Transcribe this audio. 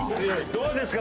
どうですか？